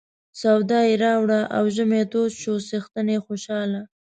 سودا یې راوړه او ژمی تود شو څښتن یې خوشاله.